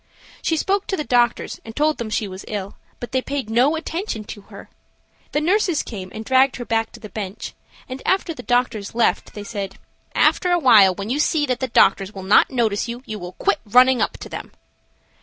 She spoke to the doctors and told them she was ill, but they paid no attention to her. The nurses came and dragged her back to the bench, and after the doctors left they said, "After awhile, when you see that the doctors will not notice you, you will quit running up to them."